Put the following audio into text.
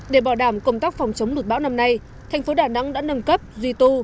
để bảo đảm công tác phòng chống lụt bão năm nay thành phố đà nẵng đã nâng cấp duy tu